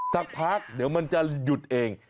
สักพักเดี๋ยวมันจะหยุดเอง